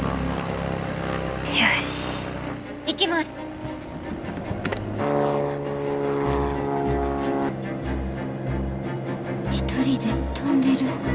心の声一人で飛んでる。